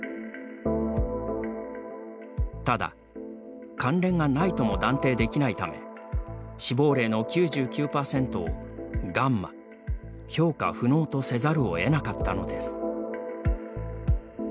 ただ、関連がないとも断定できないため死亡例の９９％を「ガンマ＝評価不能」とせざるをえなかったのです。